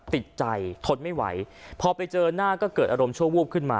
ติดใจทนไม่ไหวพอไปเจอหน้าก็เกิดอารมณ์ชั่ววูบขึ้นมา